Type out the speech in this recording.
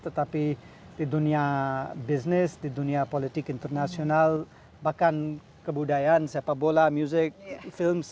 tetapi di dunia bisnis di dunia politik internasional bahkan kebudayaan sepak bola music films